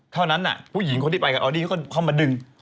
เท่านั้นผู้หญิงคนที่ไปกับออดี้เขาก็เข้ามาดึง